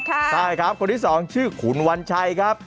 ใช่ครับคนที่สองชื่อขุนวัญชัยครับ